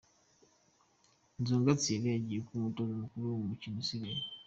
Nzunga Thierry agiye kuba umutoza mukuru mu mikino isigaye.